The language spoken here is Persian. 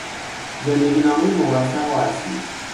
زندگینامهی موثق و اصیل